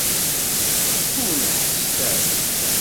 Ur neḥḥset ara!